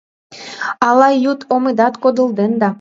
Ала йӱд омыдат кодылден да